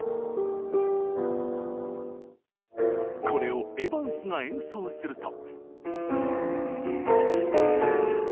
これをエヴァンスが演奏すると。